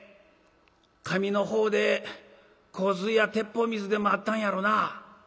上の方で洪水や鉄砲水でもあったんやろな」。